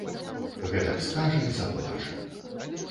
Гэтак скажа і заплача.